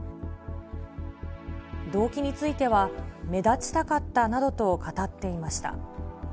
動機については、目立ちたかったなどと語っていました。